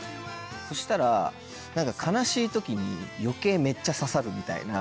そしたら何か悲しい時に余計めっちゃ刺さるみたいな。